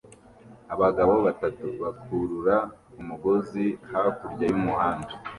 Abagabo batatu bakurura umugozi hakurya y'umuhanda